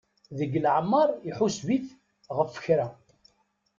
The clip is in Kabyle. Deg leɛmer iḥuseb-it ɣef kra.